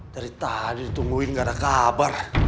dari tadi ditungguin gak ada kabar